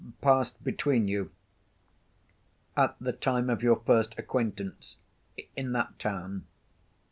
passed between you ... at the time of your first acquaintance ... in that town."